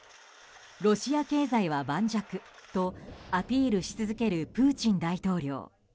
ロシア経済は盤石とアピールし続けるプーチン大統領。